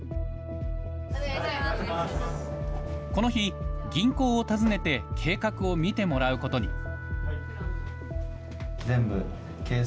この日、銀行を訪ねて、計画を見てもらうことに。